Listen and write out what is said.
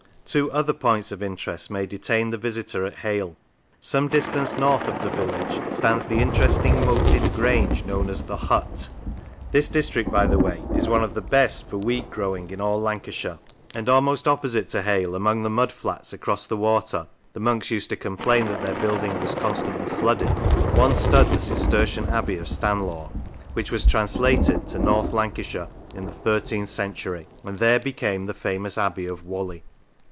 Two other points of interest may detain the visitor at Hale. Some distance north of the village stands the interesting moated grange known as " The Hutt " (this district, by the way, is one of the best for wheat growing in 12 Boundaries all Lancashire); and almost opposite to Hale, among the mud flats across the water the monks used to complain that their building was constantly flooded once stood the Cistercian abbey of Stanlaw, which was translated to North Lancashire in the thirteenth century, and there became the famous abbey of Whalley.